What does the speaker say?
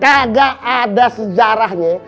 kagak ada sejarahnya